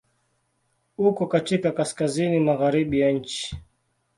Uko katika kaskazini-magharibi ya nchi.